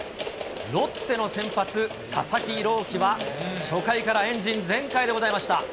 ロッテの先発、佐々木朗希は、初回からエンジン全開でございました。